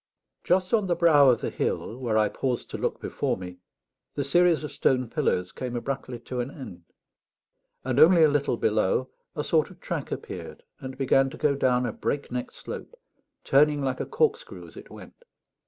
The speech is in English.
Just on the brow of the hill, where I paused to look before me, the series of stone pillars came abruptly to an end; and only a little below, a sort of track appeared and began to go down a break neck slope, turning like a corkscrew as it went.